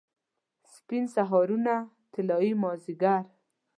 سپین سهارونه، طلايي مازدیګر